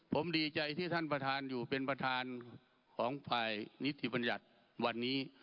ผมดีใจที่ท่านประธานอยู่เป็นประธานของฝ่ายนิติบัญญัติวันนี้